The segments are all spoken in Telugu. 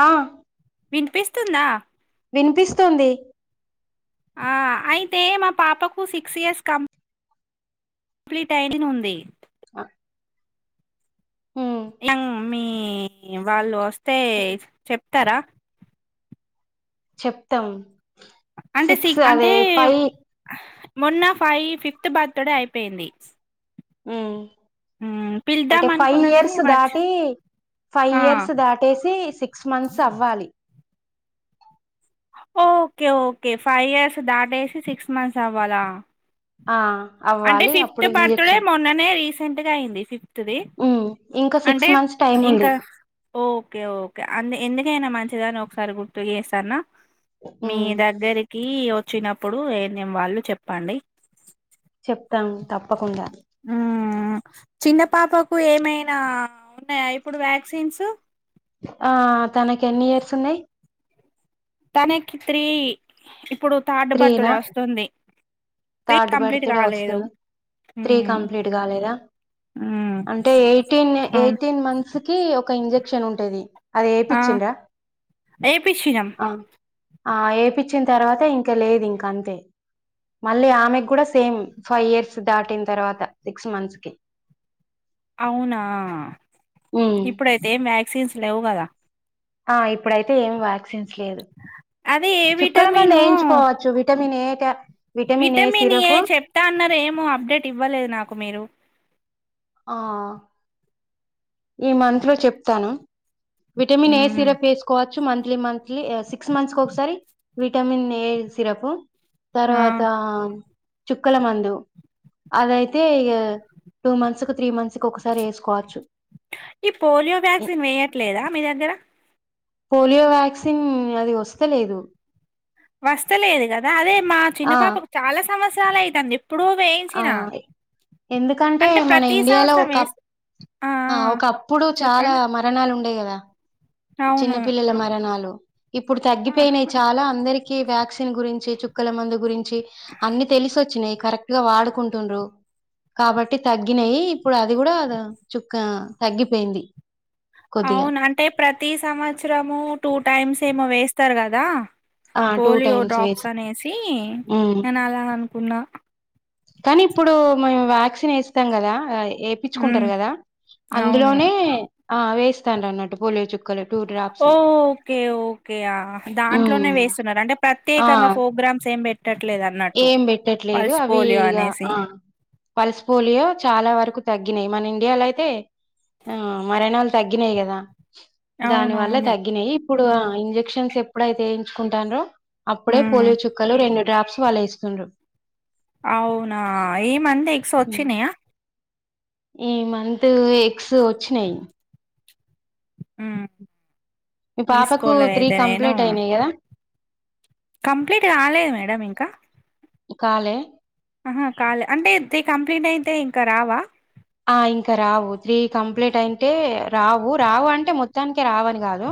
ఆ వినిపిస్తుందా వినిపిస్తుంది అయితే మా పాపకు సిక్స్ ఇయర్స్ కంప్లీట్ టైమింగ్ ఉంది ఆ మీ వాళ్ళు వస్ స్తే చెప్తారా చెప్తాం అంటే సి సిక్స్ అంటే అదే ఫైవ్ మొన్న ఫై ఫిఫ్త్ బర్త్డే అయిపోయింది మ్మ్ మ్, పిలుద్దాం అంటే ఫైవ్ అనుకున్నా కాని ఇయర్స్ మర్చి దాటి ఫైవ్ ఆ ఇయర్స్ దాటేసి సిక్స్ మంత్స్ అవ్వాలి ఓకే ఓకే ఫైవ్ ఇయర్స్ దాటేసి సిక్స్ మంత్స్ అవ్వాలా ఆ అంటే అవ్వాలి ఫిఫ్త్ అప్పుడు బర్త్డే ఇంజెక్షన్ మొన్ననే రీసెంట్గా అయింది. ఫిఫ్త్ ది ఉమ్ ఇంకా సిక్స్ అంటే మంత్స్ టైం ఇంక ఉంది ఓకే ఓకే అ ఎందుకైనా మంచి దని ఒకసారి గుర్తు చేస్తన్న మీ ఉమ్ దగ్గరికి వచ్చినప్పుడు ఏం [inaudible] వాళ్ళు చెప్పండి చెప్తాం తప్పకుండా చిన్నపాపకు ఏమైనా ఉన్నాయా ఇప్పుడు వ్యాక్సిన్స్ ఆ తనకి ఎన్ని ఇయర్స్ ఉన్నాయ్ తనకి త్రీ ఇప్పుడు థర్డ్ త్రీనా బర్త్డే వస్తుంది త్రీ థర్డ్ కంప్లీట్ బర్త్డే కాలేదు వస్తుంది త్రీ మ్మ్ కంప్లీట్ కాలేదా మ్మ్ అంటే ఎయిటీన్ అవును ఎయిటీన్ మంత్స్కి ఒక ఇంజక్ క్షన్ ఉంటది ఆ ఆదేపిచ్చండా ఏపిచ్చినం ఆ ఆ ఏపీ వచ్చిన తర్వాత ఇం ఇంకా లేదు ఇంక అంతే మళ్ళీ ఆమెక్కుడ సేమ్ ఫైవ్ ఇయర్స్ దాటిన్ తర్వాత సిక్స్ మంత్స్కి అవునా ఉమ్ ఇప్పుడైతే మ్యాక్ [unintelligible] లేవుగదా ఆ ఇప్పుడైతే ఏమి వ్యాక్సిన్స్ లేదు అదే ఏ చుక్కల మందు విటమిను వేయించుకోవచ్చు విట [inaudible] విటమిన్ ఏ చెప్తా అన్నారు ఏమో అప్డేట్ ఇవ్వలేదు నాకు మీరు ఆ ఈ మంత్లో చెప్తానా విటమిన్ ఏ మ్మ్ సిరప్ ఏస్కోవ చ్చు మంత్లీ మంత్లీ సిక్స్ మంత్స్ కొకసారి విటమిన్ ఏ సిరప్ ఆ తర్వాతా చుక్కల మందు అదయితే ఇగ టూ మంత్స్కు త్రీ మంత్స్ త్స్ ఒకసారి ఏస్కోవచ్చు. ఈ పోలియో వ్యాక్సిన్ వేయట్లేదా మీ దగ్గర పోలియో వ్యాక్సిన్ అది వస్తలేదు వస్తలేదు కదా అదే మా చిన్న ఆ పాపకు చాలా సమస్ [unintelligible] ఆ ఎందుకంటే అంటే మన ప్రతి ఇండియాలో సంవత్సరం వేస్ ఒకప్ ఆ ఒకప్పుడు చాలా చెప్పండి మరణాలు ఉండేయి కదా దా అవును చిన్న పిల్లల మరణాలు ఇప్పుడు ఆ, తగ్గిపోయినయి చాలా అందరి కి వ్యాక్సిన్ గురించి చుక్కల మందు గురిం చి అన్ని తెలిసోచ్చినయి కరెక్ట్గా వాడుకుంటుంన్రూ కాబట్టి తగ్గినయి ఇప్పుడు అది గుడా చుక్క తగ్గిపోయింది కొద్దిగా అవును అంటే ప్రతి సంవత్సరము టూ టైమ్స్ ఏమో వేస్తా రు కదా ఆ టూ పోలియో టైమ్స్ డ్రాప్స్ వేసి అనేసి ఉమ్ నేన్ అలా అనుకున్నా కానీ ఇప్పుడు మేము వ్యాక్సిన్ ఏస్తాం కదా ఉమ్ ఏపిచ్చుకుంటరు కదా అవును అందులోనే ఆ వేస్ స్తన్రనట్టు పోలియో చుక్ ఓ ఓకే ఓకే ఆ దాంట్లోనే ఉమ్ వేస్ టున్నార్ అంటే ఆ ప్రత్యేకంగా ప్రోగ్రామ్స్ ఏం పెట్టట్లేదు అన్నట్టు ఏం పెట్టట్లేదు పల్స్ అవి పోలియో ఇగా అనేసి పల్స్ పోలియో చాలా వరకు తగ్గినయి మన ఇండియాలో అయితే ఆ మరణలు తగ్గినయి కదా దాని వల్ల అవునవును తగ్గినయి ఇప్పుడు ఆ ఇంజెక్షన్స్ ఎప్పుడైతే ఏయించుకుంటాన్రో అప్పుడే ఉమ్ పోలియో చుక్కలు రెండు డ్రాప్స్ వాల్ ఏస్తుండ్రు. అవునా ఈ మంత్ సోచ్చినయా ఈ మంత్ ఎగ్స్ వచ్చినయి. ఊ మీ పాపకు త్రీ కంప్లీట్ అయినయి కదా కంప్లీట్ కాలేదు మేడం ఇంకా కాలే ఆహా కాలే అంటే కంప్లీట్ అయితే ఇంక రావా ఆ ఇంకా రావు త్రీ కంప్లీట్ అయింటే రావు రావు అంటే మొత్తానికి రావని కాదు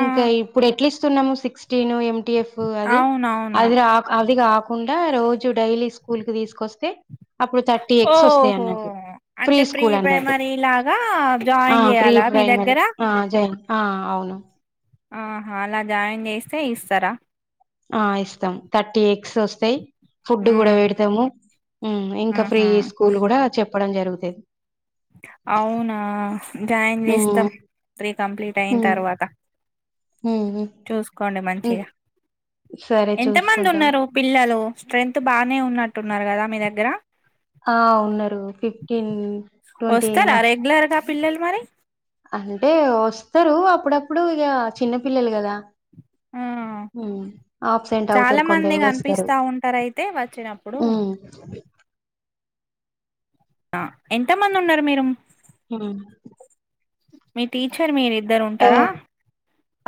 ఆ ఇంకా ఇప్పుడు ఎట్లిస్ స్తున్నాము సిక్సటీన్ ఎం టిఫ్ అది అవునవును అది రాక్ అది గాక్ కుండా రోజు డైలీ స్కూల్ కి తీసుకొస్తే అప్పుడు థర్టీ ఎగ్స్ ఓహో వస్తాయన్నట్టు అంటే ప్రీ ప్రైమరీ లాగా జాయిన్ చేయాలా మీ దగ్గర ఇన్ ఆ.. అవును ఆహా అలా జాయిన్ చేస్తే ఇస్తరా ఆ ఇస్తాం థర్టీ ఎగ్స్ వస్తయి. ఫుడ్ మ్మ్ గుడా పెడతాము ఊ ఇంకా ఫ్రీ ఆహా స్కూల్ కూడా చెప్ చెప్పడం జరుగుతది. అవునా జాయిన్ చేస్తాం హ్మ్. త్రీ కంప్లీట్ అయిన హ్మ్. తర్వాత హ్మ్. చూసుకోండి హ్మ్. మంచిగా సరే ఎంత మంది చూసుకుంటాం. ఉన్నారు పిల్లలు స్ట్రెంత్ బాగానే ఉన్నట్టున్నారు కదా మీ దగ్గర ఆ ఉన్నారు ఫిఫ్టీన్ ట్వంటీ వస్తారా వ రెగ్యులర్ గా పిల్లలు మరి అంటే వస్తరు అప్ అప్పుడప్పుడు ఇక చిన్న పిల్లలు కదా ఆ హు ఆబ్సెంట్ చాలా అవుతారు మంది కొందరు వస్తారు కనిపిస్తా ఉంటారు అయితే వచ్చినప్పుడు ఊ ఆ ఎంత మంది ఉన్నారు మీరు ఉమ్. మీ టీచర్ మీరిద్దరు ఉంటారా ఎవ-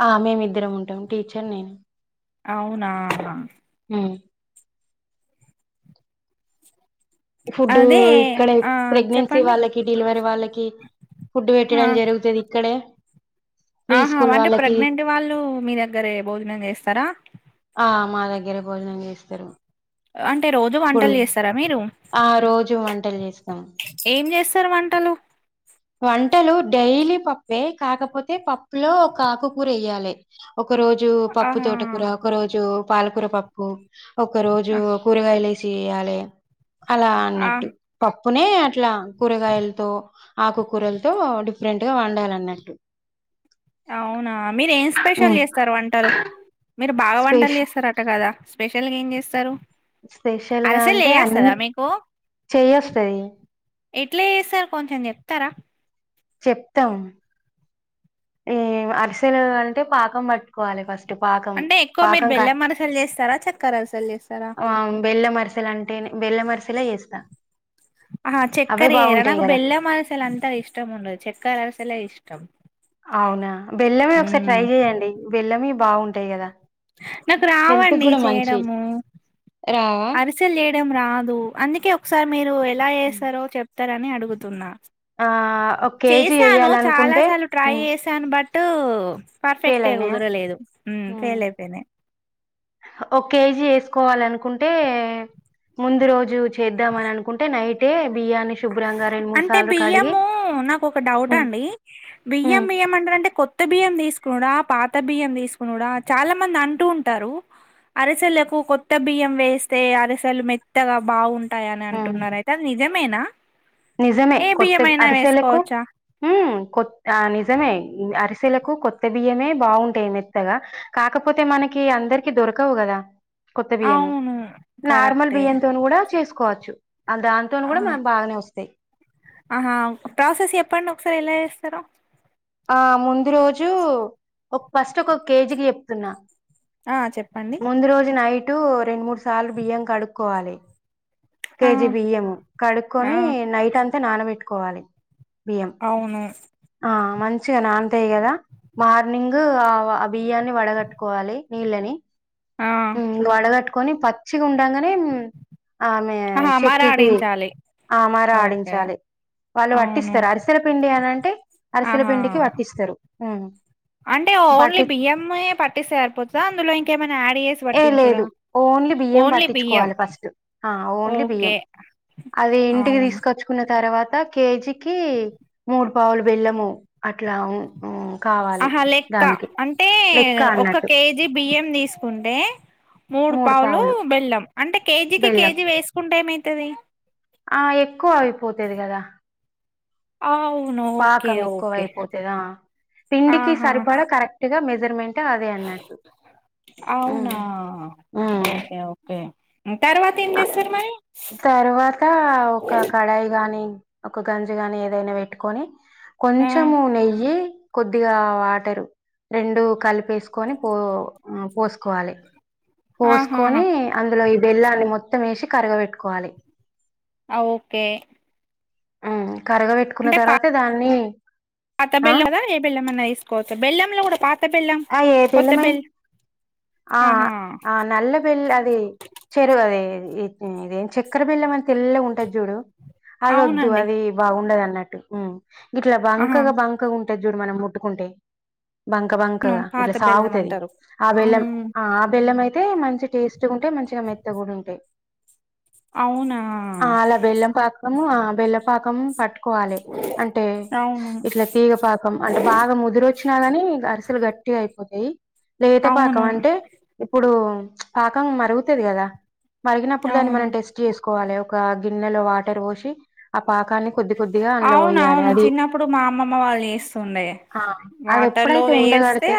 ఆ... మేమిద్దరం ఉంటాం టీచర్ నేను అవునా. ఉ ఫుడ్డు అదే ఇక్కడే ఆ ప్రెగ్నెన్సీ చెప్పండి వాళ్ళకి డెలివరీ వాళ్ళకి ఫుడ్డు ఆ పెట్టడం జరుగుతది ఇక్కడే ప్రీ ఆహా స్కూల్ అంటే వాళ్ళకి ప్రెగ్నెంట్ వాళ్ళు మీ దగ్గరే భోజనం చేస్తారా ఆ మా దగ్గరే భోజనం చేస్తారు అంటే రోజు ఇప్పుడు వంటలు చేస్తారా మీరు ఆ రోజు వంటలు చేస్తాం ఏం చేస్తారు వంటలు టలు డైలీ పప్పే కాకపోతే పప్పు లో ఆకుకూర వేయ్యాలే ఒక రోజు పప్పు ఆహా తోట కూర ఒక రోజు పాలకూర పప్పు ఒక రోజు ఆ కూరగాయలు చేయాలే అలా ఆ! అన్నట్టు పప్పు కునే అట్లా కూరగాయలతో ఆకుకూరలతో డిఫరెంట్ గా వండాలన్నట్టు అవునా మీరు ఏం స్పెషల్ హ్మ్ చేస్తారు వంటలు మీరు బాగా స్పెష వంటలు చేస్తారు అట కదా స్పెషల్ గా ఏం చేస్తారు స్పెషల్ గా అరిసెలు అంటే చేయేస్తదా అన్ని మీకు చేయ వస్తది త్తార చెప్తాం ఈ అరిసెలు అంటే పాకం పట్టుకోవాలి ఫస్ట్ గట్టి పాకం అంటే ఎక్కువ మీరు పాకం క బెల్లం అరిసెలు చేస్తారా చక్కెర అరిసెలు చేస్తారా బెల్లం అరిసెలు అంటేనే బెల్లం అరి [unintelligible] ఏసినా అహ చక్కరవేయరా నాకు బల్లం అరిసెలు అంతా ఇష్టం ఉండదు చక్కర అరస చాల ఇష్టం అవునా బెల్లమే ఒకసారి ట్రై మ్మ్ చెయ్యండి బెల్లమే బాగుంటాయి కదా నాకు హెల్త్ కి రావండి కూడా మంచి చేయడము రావా అరిసెలు చేయడం రాదు అందుకే ఒకసారి మీరు ఎలా ఏస్తారో చెప్ ప్తారు అని అడుగుతున్నా ఆ ఒ కేజీ చేశాను ఎయ్యాలనుకుంటే ట్ ఫెయిల్ అయినాయా ఫెయిల్ అయిపోయినాయి ఒక కేజీ వేసుకోవాలనుకుంటే అంటే ముందు రోజు చేద్దామని అనుకుంటే నైటే బియ్యాన్ని శుభ్రంగా రెండు మూడు అంటే సార్లు కడిగి బియ్యము నాకు ఒక డౌట్ అండి బియ్యం ఉమ్, బియ్యం అంటారంటే కొత్త బియ్యం తీసుకు కూడా పాత బియ్యం తీసుకునిడా చాలా మంది అంటూ ఉంటారు అరిసెలకు కొత్త బియ్యం వేస్తే అరిసెల్లు మెత్తగా బాగుం టాయి అని అంటున్నారు అయితే అది నిజం రేనా నిజమే కొత్త అరిసేలకు కొత్త నిజమే అరిసెలకు కొత్త బియ్యమే బాగుంటాయి మెత్తగా కాకపోతే మనకి అందరికి దొరకవు కదా కొత్త బియ్యము అవును. నార్మల్ కరెక్టే. బియ్య తో కూడా చేసు కోవచ్చు దానితోనీ ఆ! కూడా మాకు బాగానే వస్తాం స ఆహా ప్రాసెస్ ఎప్పడి ఒకసారి ఎలా చేస్తారు ఆ ముందు రోజు ఒక ఫస్ట్ ఒక కేజీకి చెప్తున్నా ఆ చెప్పండి అటు రెండు మూడు సార్లు బియ్యం కడుక్కోవాలి ఆ! కేజీ బియ్యం ఆ! కడుకొని నైట్ అంత అతే నానబెట్టుకోవాలి బియ్యం అవును. ఆ మం మంచిగా నానుతాయి కదా మార్నింగ్ ఆ ఆ బియ్యాన్ని వడగట్టుకోవాలి నీళ్ళని ఆ! వడగట్టుకొని పత్ మంచిగా ఉండంగానే ఆహా! చెక్కికి మరాడించాలి. ఆమర ఓకే. ఆడించాలి వాళ్ళు అవును. వట్టిస్తారు అరిసెల పిండి అని అంటే అరిసెల ఆహా! పిండికి వట్టిస్తారు ఆ అంటే ఓన్లీ బియ్యం పట్టిస్తే సరిపోతుందా అందులో ఇంకేమై యాడ్ చే ఏ లేదు ఓన్లీ బియ్యం బియ్యం పట్టించుకోవాలి ఫస్ట్ ఆ ఓన్లీ బియ్యం ఓకే అది ఇంటికి అవును తీసుకొచ్చుకున్న తర్వాత కేజీకి మూడు పావులు బెల్లము అట్లా ఉం, కావాలి ఆహ లెక్క దానికి అంటే లెక్క ఒక అన్నట్టు కేజీ బియ్యం తీసుకు కుంటే మూడు పావులు బెల్లం అంటే కేజీకి బెల్లం కేజీ వేసుకుంటే ట ఏం అవుతది ఆ ఎక్కువ అయిపోతేది కదా ఆవు పాకం ఎక్కువయిపోతే ఆ పిండికి ఆహా సరిపడా కరెక్ట్గా మె సర్మెంట్ అంటే అదే అన్నట్టు అవునా ఓకే ఓకే తర్వాత ఏం చేస్తారు మరి తర్వాత ఒక కడాయి గాని ఒక గంజగాని ఏదైనా పెట్టుకొని ఆ కొంచెము నెయ్యి కొద్దిగా వాటరు రెండు కలిపేసుకొని పో పోసుకోవాలి ఆహా పోసుకొని అందులో వెళ్లాలి మో త్తం ఏసి కరగబెట్టుకోవాలి. ఓకే కరగ పెట్టుకున్న అంటే పా- తర్వాత దాన్ని పాత ఆ బెల్లం కదా ఏ బెల్లమన్న ఏస్కోవచ్చ బెల్లంలో గుడా పాత బెల్లం ఆ ఏ కొత్త బెల్లమై బెల్ ఆ ఆహా ఆ నల్ల బెల్ అది చెరగది ఇదేం చక్కర బెల్లమని తెల్లగుంటద్ జూడు అదొద్దు అవునండి అది బాగుండద ఉన్నట్టు హ్ ఇట్ల ఆహా బంకగా బంకగ ఉం ది జూడు మనం ముట్టుకుంటే బంక బం అవును చిక్కగా ఇట్ల పాత బెల్లం సాగుతది అంటారు ఆ బెల్లం మ్మ్ ఆ బెల్లం అయి తే మంచి టేస్ట్ మంచిగుంటయి మంచిగా మెత్త గుడా ఉంటయి అవునా ఆ అలా బెల్లం పాకం బెల్ల పాకం పట్ కోవాలె అంటే అవును ఇట్లా తీగపాకం అంటే బాగా ముదురొచ్చినా గాని గ అసల్ గట్టిగయిపోతయి. లేత అవును పాకం అంటే ఇప్పుడూ పాకం మరుగుతది కదా మరిగినప్పుడు దాన్ని అవును మనం టెస్ట్ చేస్ కోవాలె ఒక గిన్నెలో వాటర్ పోసి పాకాన్ని కొద్ది కొద్దిగా అందులో పోయాలి అవునవును అది చిన్నప్పుడు మా అమ్మమ్మ వాళ్ళు చేస్తుండే ఆ అది వాటర్లో ఎప్పుడైతే ఉండగడితే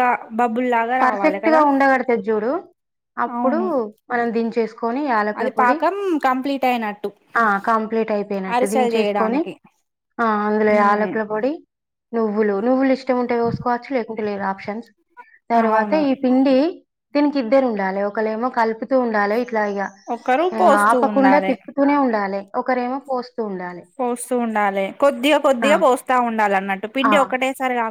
గా బబ్బుల్ లాగా రావాలి పర్ఫెక్ట్గా కదా ఉండగడితది చూడు అప్పుడు అవును మనం దించేస్ కొని యాలకుల అది పొడి పాకం కంప్లీట్ అయినట్టు ఆ కంప్లీట్ అయిపోయినట్టే అరిసెలు దించేస్కొని చేయడానికి ఆ అందులో మ్మ్ యాలకుల పొడి నువ్వులు నువ్వులు ఉంటే కోస్కోవచ్చు లేకుంటే లేద్ ఆప్షన్స్ తరువాత అవును ఈ పిండి దీనికి ఇద్దరు ఉండాలి. ఒకలు ఏమో కలుపుతూ ఉండాలి. ఇట్లా ఇగ ఒకరు మ్ పోస్తూ ఆపకుండా ఉండాలి తిప్పుతూనే ఉండాలె ఒకరేమో పోస్ పోస్తూ ఉండాలె కొద్దిగా ఆ! కొద్దిగా పోస్తా ఉండాలన్నట్టు ఆ! పిండి ఒకటేసారి కా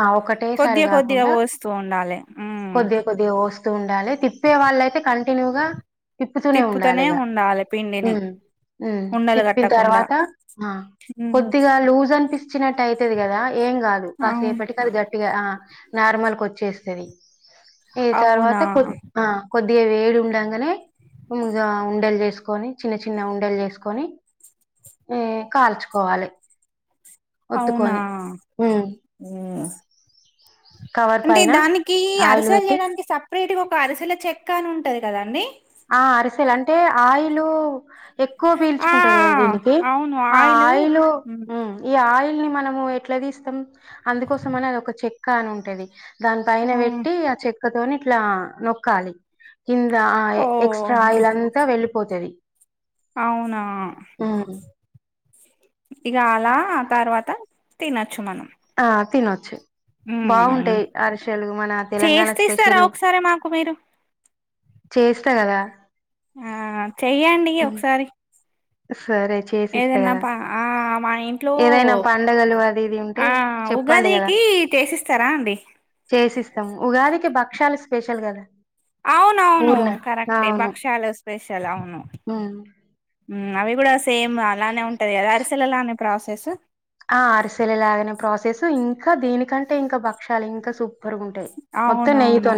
ఆ ఒకటేసారి కాకుండా పోస్తూ ఉండాలి ఉమ్ కొద్దిగా కొద్దిగా వోస్తు తున్ వుండాలి తిప్పే వాళ్ళయితే కలు తినవుగా తిప్పుతూనే ఉండాలి ఇగా ఉండాలి పిండిని ఉమ్ ఉమ్ ఉండలు తిప్పిన కట్టకుండా తర్వాత ఉమ్ కొద్దిగా లూజ్ అనిపిస్తే చ్చినట్టు అయితది కదా ఏం కాదు అవును కాసేపటికి అది గట్టిగా ఆ నార్మల్ కోచ్చేస్తది. ఈ తర్వాత అవునా కొద్ [inaudible] ఆ కొద్దిగా వేడి ఉండగనే ఇగ ఉండలు చేసుకొని చిన్న చిన్న ఉండలు చేసుకొని ఉమ్ కాల్చుకోవాలి. అవునా ఒత్తుకోని ఉమ్ ఉమ్ అంటే పైన దానికి ఆయిల్ అరిసెలు పెట్టి చేయడానికి సపరేట్గా ఒక అరిసెల చెక్క అని ఉంట ఉంటుంది కదా అండి. ఆ అరిసెలు అంటే ఆయిలు ఎక్కువ ఆ పీల్చుకుంటది కదా దీనికి ఆ ఆయిలు ఈ ఆయిలు ని మనము ఎట్లా తీస్తాం అందుకోసం అని అది ఒక చెక్క అని ఉంటది. దాని పైన పెట్టి ఆ చెక్కతోని ఇట్లా నొక్కాలి కింద ఆయే ఓ ఎక్స్ట్రా ఆయిల్ అంతా వెళ్ళిపోతది అవునా హ్మ్ ఇక అలా తర్వాత తినొచ్చు మనం ఆ తినొచ్చు ఉమ్ బాగుంటాయి అరిసెలు మన తెలంగాణ చేస్తేఇస్తర స్పెషల్ ఒకసారి మాకు మీరు చేస్తా గదా ఆ చెయ్యండి ఒకసారి సరే చేసిస్తా ఏదన్నా కదా ప ఆ మా ఇంట్లో ఏదైనా పండగలు అది ఇది ఉంటే ఆ చెప్పండి కదా ఉగాదికి చేసిస్తారా అండి చేసిస్తాము ఉగాదికి భక్షలు స్పెషల్ గదా అవునవును కరెక్టే భక్ష్యాల వస్త స్పెషల్ అవును ఉమ్ ఉమ్ అవి కూడా సేమ్ అలానే ఉ అదే అదే అరిసల లానే ఉ ప్రాసెస్ కా దీనికంటే ఇంకా భక్షాలు ఇంకా సూ అవునవును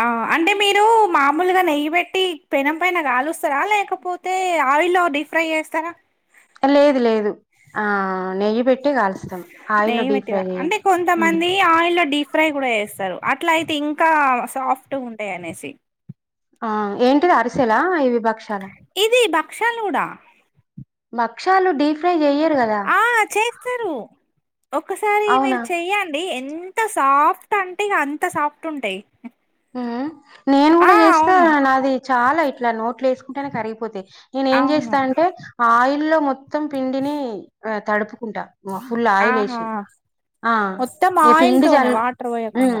ఆ అంటే మీరు మామూలుగా నెయ్యి బెట్ టి పెనం పైన కాలుస్తారా లేకపోతే ఆయిల్లో డీప్ ఫ్రై చేస్తర లేదు లేదు ఆ నెయ్యి బె నేయ్యి పెట్టి క అంటే ఉమ్. కొంతమంది ఆయిల్లో డి ఫ్రై కూడా చేస్తారు అట్ల అయితే ఇంక సాఫ్ట్ ఉంటయి అనేసి ఆ ఏంటిది అరిసెలా ఇవి భక్షాల క్షలుగుడా బక్షాలు డీ ఫ్రై చెయ్యరు గదా తరూ ఒకసారి మీరు చెయ్యండి ఎన్ ఎంత సాఫ్ట్ అంటే ఇగ అంత సాఫ్ట్ ఉంటయి ఊ నేను గుడా చేస్తే అవును నాది చాలా ఇ ఇట్ల నొట్ ట్ల ఎసుకుంటేనే కరిగిపోతఇ నేను ఏం అవును జెస్తా అంటే అయిల్లో మొత్తం పిండినీ అ తడుపు ఉంటా వ ఫుల్ ఆయిల్ ఆహా ఏసి ఆ మొత్తం ఏ ఆయిల్ పిండి తోనే జల్లు వాటర్ పోయకుండా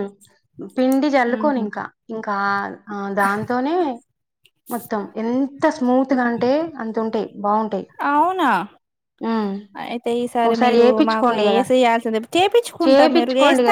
ఊ పిండి జల్లు కోని ఉహు ఇంక ఇంకా ఆ దాంతోనే మొత్తం ఎంత స్మూత్ గా అంటే అంత ఉంటయి బాగుంటయి అవునా ఊ అయితే ఈసారి ఒకసారి మీరు మాకు చేపిచ్చుకోండి కదా ఏసి చేయాల్సిందే చేపిచ్చుకుంటాం మీరు చేపిచ్చుకోండి చేస్త కదా